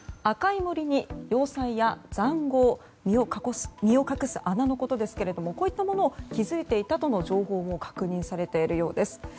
赤い森に要塞や塹壕身を隠す穴のことですけれどもこういったものを築いていたとの情報を確認されているようです。